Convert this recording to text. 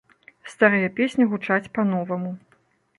Старыя песні гучаць па-новаму.